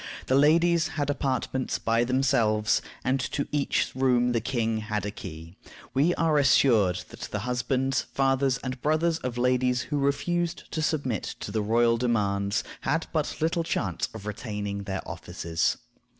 The ladies had apartments by themselves, and to each room the king had a key. We are assured that the husbands, fathers, and brothers of ladies who refused to submit to the royal demands had but little chance of retaining their offices.